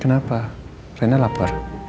kenapa rena lapar